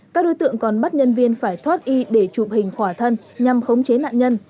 các đối tượng còn bắt nhân viên phải thoát y để chụp hình khỏa thân nhằm khống chế nạn nhân